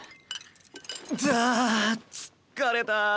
だあ疲れた！